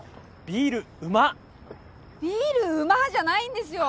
ビールうまっ！じゃないんですよ。